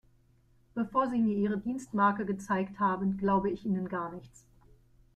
Bevor Sie mir Ihre Dienstmarke gezeigt haben, glaube ich Ihnen gar nichts.